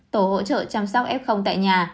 tổ hỗ trợ chăm sóc f tại nhà